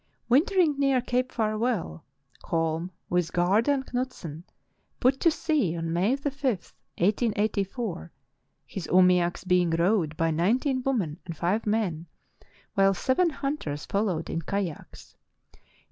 Wintering near Cape Farewell, Holm, with Garde and Knutsen, put to sea May 5, 1884, his umiaks being rowed by nineteen women and five men, while seven hunters followed in kayaks.